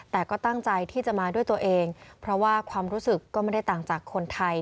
แต่ก็ตั้งใจที่จะมาด้วยตัวเองเพราะว่าความรู้สึกก็ไม่ได้ต่างจากคนไทย